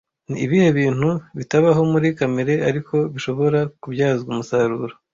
Ni ibihe bintu bitabaho muri kamere ariko bishobora kubyazwa umusaruro